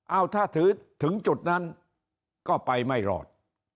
เอาถ้าถือถึงจุดนั้นก็ไปไม่รอด